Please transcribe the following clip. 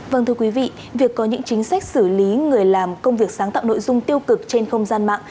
vâng thưa quý vị việc có những chính sách xử lý người làm công việc sáng tạo nội dung tiêu cực trên không gian mạng